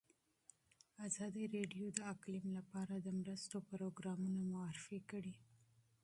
ازادي راډیو د اقلیم لپاره د مرستو پروګرامونه معرفي کړي.